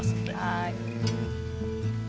はい。